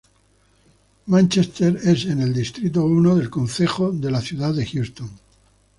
Manchester es en el Distrito I del Concejo de la Ciudad de Houston.